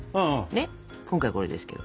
ねっ今回これですけど。